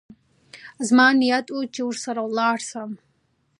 زما نيت و چې ورسره ولاړ سم.